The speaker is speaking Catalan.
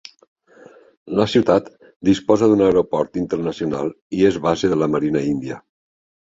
La ciutat disposa d'un aeroport internacional i és base de la marina índia.